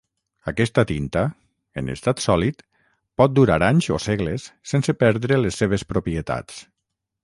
Aquesta tinta, en estat sòlid, pot durar anys o segles sense perdre les seves propietats.